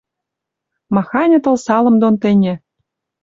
Маханьы тылсалым дон тӹньӹ